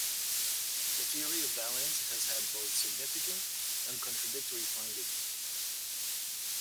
The theory of valence has had both significant and contradictory findings.